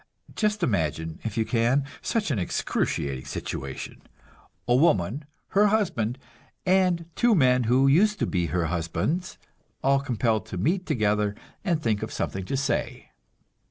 Just imagine, if you can, such an excruciating situation: a woman, her husband, and two men who used to be her husbands, all compelled to meet together and think of something to say!